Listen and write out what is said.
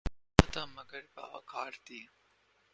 زندگی سادہ مگر باوقار تھی